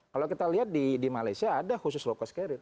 kalau kita lihat di malaysia ada khusus lokas karir